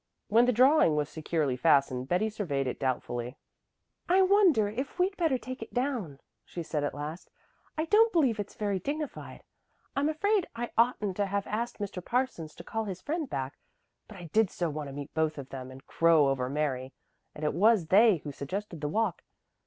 When the drawing was securely fastened, Betty surveyed it doubtfully. "I wonder if we'd better take it down," she said at last. "I don't believe it's very dignified. I'm afraid I oughtn't to have asked Mr. Parsons to call his friend back, but I did so want to meet both of them and crow over Mary. And it was they who suggested the walk.